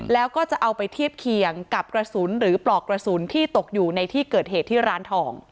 แล้วก็จะเอาไปเทียบเคียงกับกระสุนหรือปลอกกระสุนที่ตกอยู่ในที่เกิดเหตุที่ร้านทอง